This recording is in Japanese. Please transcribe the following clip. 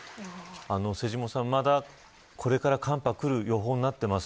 瀬下さん、まだ、これから寒波が来る予報になっています。